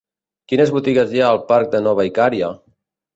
Quines botigues hi ha al parc de Nova Icària?